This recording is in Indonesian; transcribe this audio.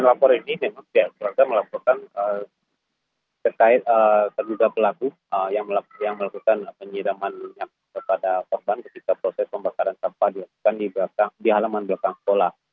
dan laporan ini memang pihak polisian melaporkan terkait terduga pelaku yang melakukan penyiraman pada korban ketika proses pembakaran sampah dihalaman belakang sekolah